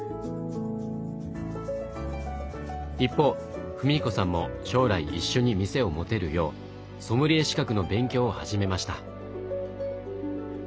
一方史彦さんも将来一緒に店を持てるようソムリエ資格の勉強を始めました。